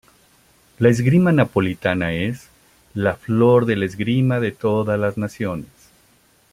La esgrima napolitana es ""la flor de la esgrima de todas las naciones"".